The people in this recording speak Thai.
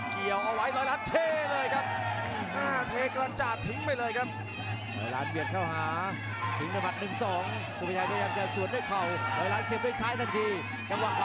เยี่ยวเอาไหวรอยรันเทเลยครับอ้าเทกรรมจากถึงไปเลยครับ